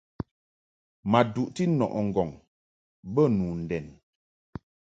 Ma duʼti nɔʼɨ ŋgɔŋ be nu ndɛn.